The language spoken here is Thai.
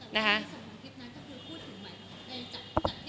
แต่ว่าส่วนของคลิปนั้นก็คือ